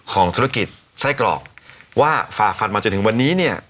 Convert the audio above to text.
ของธุรกิจไส้กรอกว่าฝ่าฟันมาจนถึงวันนี้เนี่ย